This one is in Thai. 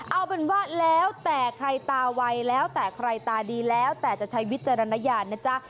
เอาเป็นว่าแล้วแต่ใครตาวัยแล้วแต่ใครตาดีแล้วแต่จะใช้วิจารณญาณนะจ๊ะ